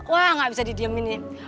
wah gak bisa didieminin